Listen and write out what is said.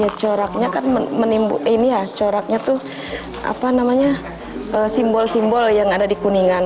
ya coraknya kan menimbulkan coraknya tuh apa namanya simbol simbol yang ada di kuningan